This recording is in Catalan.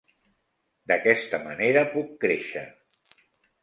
D'aquesta manera puc créixer.